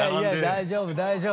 大丈夫大丈夫。